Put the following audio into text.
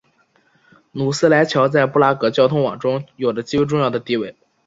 努斯莱桥在布拉格交通网中有着极为重要的地位。